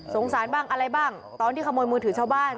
สารบ้างอะไรบ้างตอนที่ขโมยมือถือชาวบ้าน